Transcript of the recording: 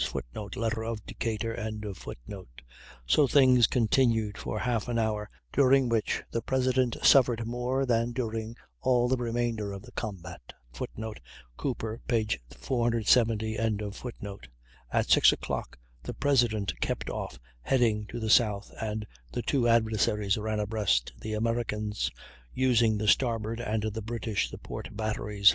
[Footnote: Letter of Decatur.] So things continued for half an hour during which the President suffered more than during all the remainder of the combat. [Footnote: Cooper, 470.] At 6.00 the President kept off, heading to the south, and the two adversaries ran abreast, the Americans using the starboard and the British the port batteries.